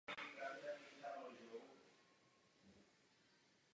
Jsem rád, že mé pozměňovací návrhy byly vzaty v úvahu.